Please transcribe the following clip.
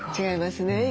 違いますね。